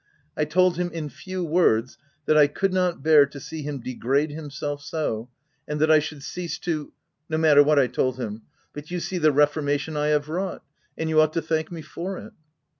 I told him, in few words, that I could not bear to see him degrade himself so, and that I should cease to — no matter what I told him, — but you see the reformation I have wrought ; and you ought to thank me for it."